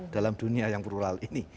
dalam dunia yang plural ini